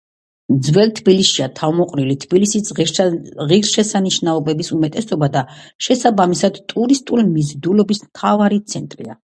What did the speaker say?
ძველ თბილისშია თავმოყრილი თბილისის ღირსშესანიშნაობების უმეტესობა და შესაბამისად, ტურისტული მიზიდულობის მთავარი ცენტრია.